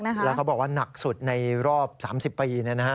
แล้วเขาบอกว่าหนักสุดในรอบ๓๐ปี